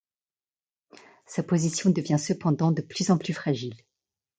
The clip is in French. Sa position devient cependant de plus en plus fragile.